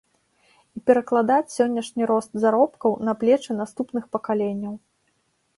І перакладаць сённяшні рост заробкаў на плечы наступных пакаленняў.